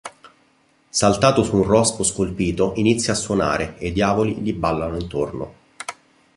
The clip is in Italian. Saltato su un rospo scolpito inizia a suonare e i diavoli gli ballano intorno.